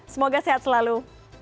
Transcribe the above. semoga sehat selalu